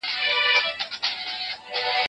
څوک غواړي ډیموکراتیکي ټاکني په بشپړ ډول کنټرول کړي؟